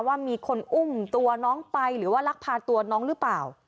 ว่ามีคนอุ้มตัวน้องไปหรือว่าลักพาตัวน้องหรือเปล่า